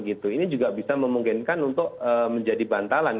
ini juga bisa memungkinkan untuk menjadi bantalan